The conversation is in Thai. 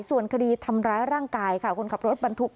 ส่วนคดีทำร้ายร่างกายค่ะคนขับรถบรรทุก